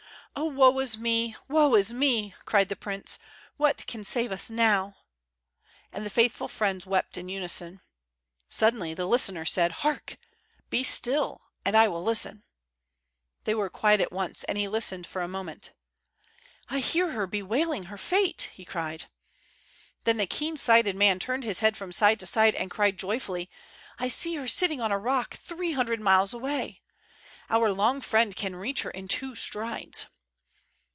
"Oh, woe is me! woe is me!" cried the prince. "What can save us now?" and the faithful servants wept in unison. Suddenly the listener said: "Hark! be still, and I will listen." They were quiet at once, and he listened for a moment. "I hear her bewailing her fate!" he cried. Then the keen sighted man turned his head from side to side and cried joyfully: "I see her sitting on a rock, three hundred miles away. Our long friend can reach her in two strides."